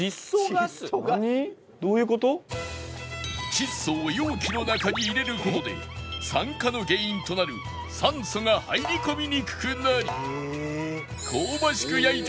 窒素を容器の中に入れる事で酸化の原因となる酸素が入り込みにくくなり